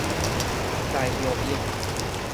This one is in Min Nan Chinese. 鴟鴞鷹